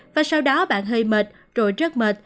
và sau đó bạn hơi mệt rồi rất mệt